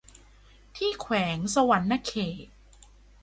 ที่แขวงสะหวันนะเขต